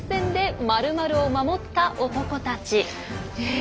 え。